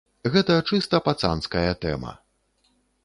Гэта чыста пацанская тэма.